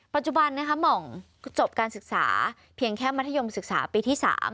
ปัจจุบันหม่องจบการศึกษาเพียงแค่มัธยมศึกษาปีที่๓